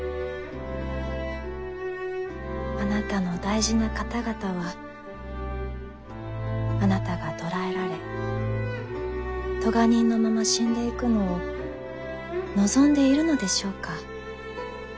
あなたの大事な方々はあなたが捕らえられ咎人のまま死んでいくのを望んでいるのでしょうか？